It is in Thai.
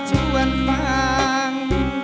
ผมอย่างน้องเปร้าน